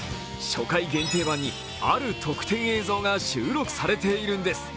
初回限定盤にある特典映像が収録されているんです。